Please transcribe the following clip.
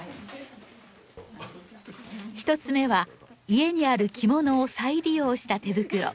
１つ目は家にある着物を再利用した手袋。